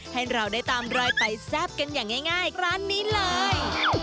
ให้เราได้ตามรอยไปแซ่บกันอย่างง่ายร้านนี้เลย